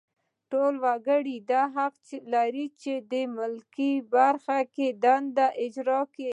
ټول وګړي دا حق لري چې په ملکي برخو کې دنده اجرا کړي.